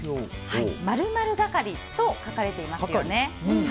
○○係と書かれていますよね。